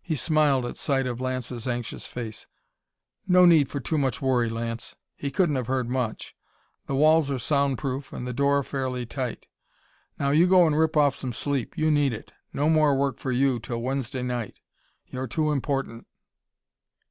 He smiled at sight of Lance's anxious face. "No need for too much worry, Lance! He couldn't have heard much the walls are sound proof and the door fairly tight. Now, you go and rip off some sleep! You need it! No more work for you till Wednesday night you're too important!"